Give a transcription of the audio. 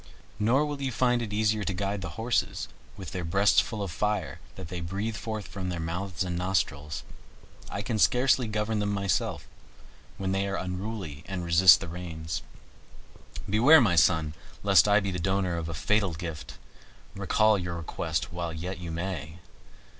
Nor will you find it easy to guide those horses, with their breasts full of fire that they breathe forth from their mouths and nostrils. I can scarcely govern them myself, when they are unruly and resist the reins. Beware, my son, lest I be the donor of a fatal gift; recall your request while yet you may.